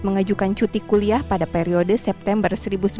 mengajukan cuti kuliah pada periode september seribu sembilan ratus empat puluh